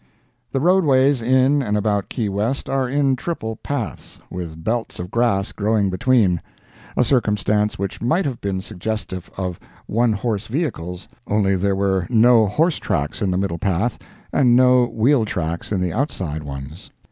The roadways in and about Key West are in triple paths, with belts of grass growing between—a circumstance which might have been suggestive of one horse vehicles, only there were no horse tracks in the middle path, and no wheel tracks in the outside ones.